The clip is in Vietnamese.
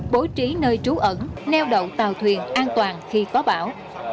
bố trí nơi trú ẩn neo đậu tàu thuyền an toàn khi có bão